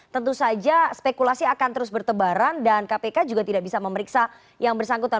tentu saja spekulasi akan terus bertebaran dan kpk juga tidak bisa memeriksa yang bersangkutan